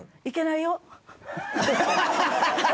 行けないよ。